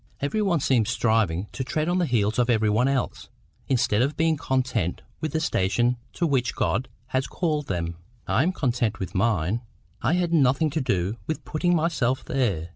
Every one seems striving to tread on the heels of every one else, instead of being content with the station to which God has called them. I am content with mine. I had nothing to do with putting myself there.